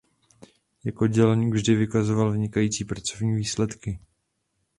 Jako dělník vždy vykazoval vynikající pracovní výsledky.